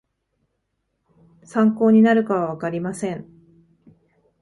参考になるかはわかりません